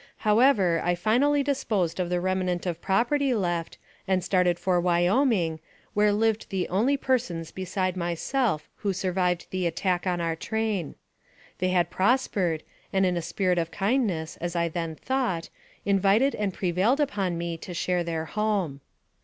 However, I finally disposed of the remnant of property left, and started for Wyoming, where lived the only persons beside myself who survived the attack on our train. They had prospered, and in a spirit of kindness, as I then thought, invited and prevailed on me to share their home.